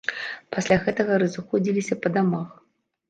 Пасля гэтага разыходзіліся па дамах.